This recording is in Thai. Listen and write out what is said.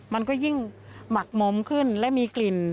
มันก็ยิ่งหมักมขึ้นและมีกลิ่น